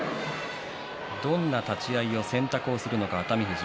どんな立ち合いを選択するのか熱海富士。